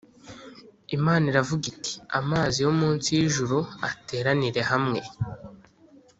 Imana iravuga iti “Amazi yo munsi y’ijuru ateranire hamwe